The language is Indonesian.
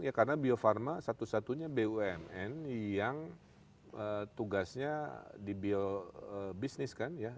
ya karena bio farma satu satunya bumn yang tugasnya di biobusiness kan ya